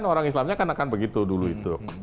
orang islamnya kan akan begitu dulu itu